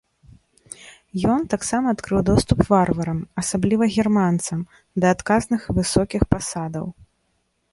Ён таксама адкрыў доступ варварам, асабліва германцам, да адказных і высокіх пасадаў.